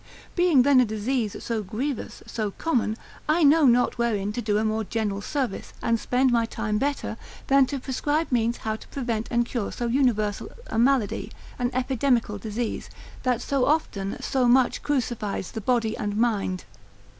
Being then a disease so grievous, so common, I know not wherein to do a more general service, and spend my time better, than to prescribe means how to prevent and cure so universal a malady, an epidemical disease, that so often, so much crucifies the body and mind.